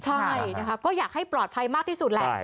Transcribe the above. ใช่นะคะก็อยากให้ปลอดภัยมากที่สุดแหละ